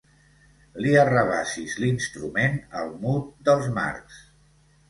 Li arrabassis l'instrument al mut dels Marx.